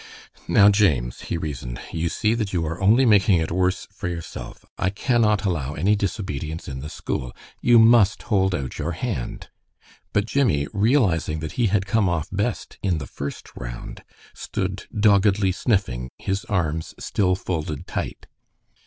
"Now, James," he reasoned, "you see you are only making it worse for yourself. I cannot allow any disobedience in the school. You must hold out your hand." But Jimmie, realizing that he had come off best in the first round, stood doggedly sniffing, his arms still folded tight.